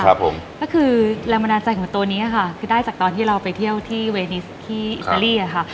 ก็คือแรงบันดาลใจของตัวนี้ค่ะคือได้จากตอนที่เราไปเที่ยวที่เวนิสที่อิตาลีอะค่ะ